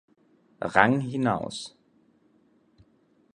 Rang hinaus.